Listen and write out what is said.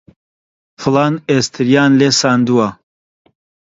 فڵان ئێستریان لێ ساندووە